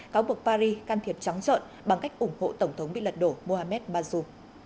cáo buộc paris can thiệp trắng trợn bằng cách ủng hộ tổng thống bị lật đổ mohamed bazou